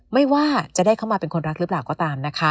ไม่ว่าจะได้เข้ามาเป็นคนรักหรือเปล่าก็ตามนะคะ